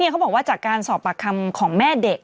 เขาบอกว่าจากการสอบปากคำของแม่เด็ก